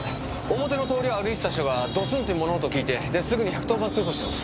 表の通りを歩いてた人がドスンって物音聞いてですぐに１１０番通報してます。